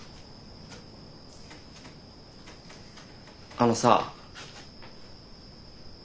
あのさ。